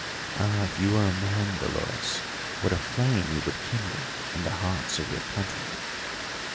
"Ah, if you were a man, Dolores, what a flame you would kindle in the hearts of your countrymen!"